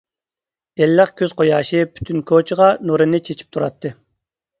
ئىللىق كۈز قۇياشى پۈتۈن كوچىغا نۇرىنى چېچىپ تۇراتتى.